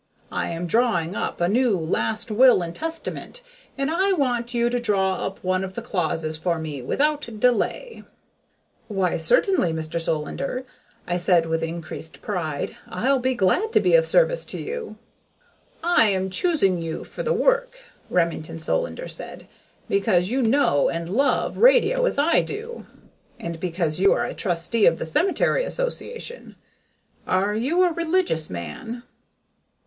I am drawing up a new last will and testament, and I want you to draw up one of the clauses for me without delay." "Why, certainly, Mr. Solander," I said with increased pride. "I'll be glad to be of service to you." "I am choosing you for the work," Remington Solander said, "because you know and love radio as I do, and because you are a trustee of the cemetery association. Are you a religious man?"